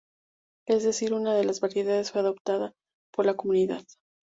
Es decir, una de las variedades fue adoptada por la comunidad.